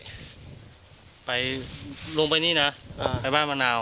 บ๊วยบ๊วยลงไปนี่นะไปบ้านมะนาว